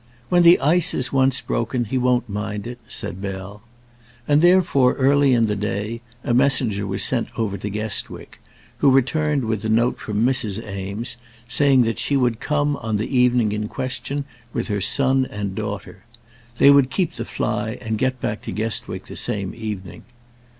"When the ice is once broken he won't mind it," said Bell. And, therefore, early in the day, a messenger was sent over to Guestwick, who returned with a note from Mrs. Eames, saying that she would come on the evening in question, with her son and daughter. They would keep the fly and get back to Guestwick the same evening.